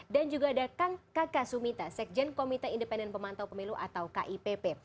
dan juga ada kang kaka sumita sekjen komite independen pemantau pemilu atau kipp